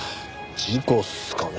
事故っすかね？